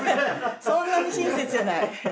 そんなに親切じゃない。